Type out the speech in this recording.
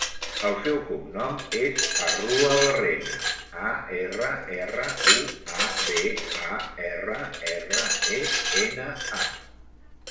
El seu cognom és Arruabarrena: a, erra, erra, u, a, be, a, erra, erra, e, ena, a.